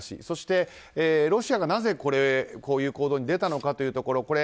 そして、ロシアがなぜこういう行動に出たのかというところ。